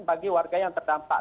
bagi warga yang terdapat